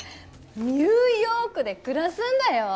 ニューヨークで暮らすんだよ！